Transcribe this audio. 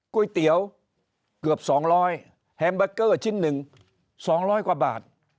ก๋วยเตี๋ยวเกือบ๒๐๐แฮมเบอร์เกอร์ชิ้นหนึ่ง๒๐๐กว่าบาท